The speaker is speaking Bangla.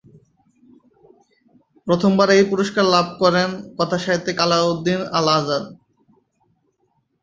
প্রথমবার এই পুরস্কার লাভ করেন কথাসাহিত্যিক আলাউদ্দিন আল আজাদ।